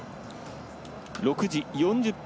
６時４０分